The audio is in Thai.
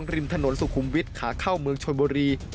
ริมถนนสุขุมวิทย์ขาเข้าเมืองชนบุรี